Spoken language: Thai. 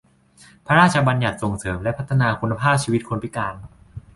พระราชบัญญัติส่งเสริมและพัฒนาคุณภาพชีวิตคนพิการ